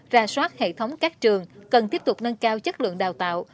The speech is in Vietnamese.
ra soát hệ thống các trường cần tiếp tục nâng cao chất lượng đào tạo